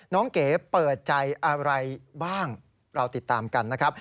เก๋เปิดใจอะไรบ้างเราติดตามกันนะครับ